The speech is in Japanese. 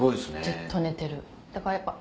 ずっと寝てるだからやっぱ。